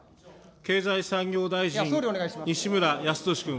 経済産業大臣、西村康稔君。